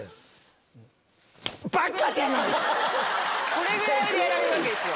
これぐらいでやられるわけですよ